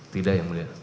tidak yang boleh